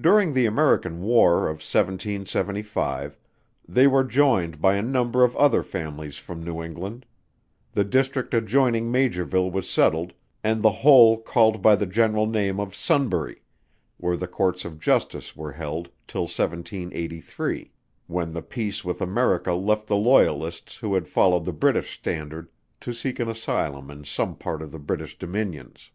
During the American War of 1775, they were joined by a number of other families from New England: the district adjoining Maugerville was settled, and the whole called by the general name of Sunbury, where the Courts of Justice were held till 1783: when the peace with America left the Loyalists who had followed the British standard, to seek an asylum in some part of the British dominions.